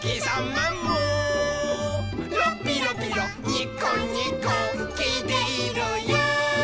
「ラッピラピラニコニコきいているよ」